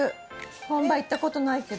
本場行ったことないけど。